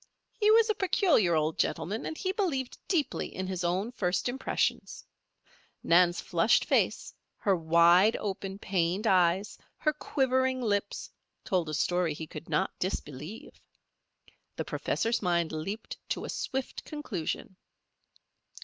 He was a peculiar old gentleman, and he believed deeply in his own first impressions. Nan's flushed face, her wide open, pained eyes, her quivering lips, told a story he could not disbelieve. The professor's mind leaped to a swift conclusion.